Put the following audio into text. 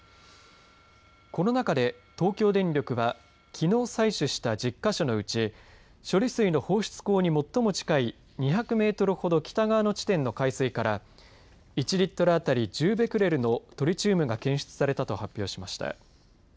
この中で東京電力はきのう採取した１０か所のうち処理水の放出口に最も近い２００メートルほど北側の地点の海水から１リットル当たり１０ベクレルのトリチウムが検出されたと発表しました。